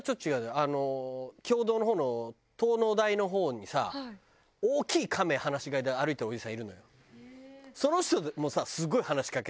あの経堂の方の東農大の方にさ大きいカメ放し飼いで歩いてるおじさんいるのよ。